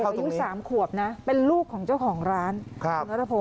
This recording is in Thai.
นั่นคือเด็กอายุสามขวบนะเป็นลูกของเจ้าของร้านครับ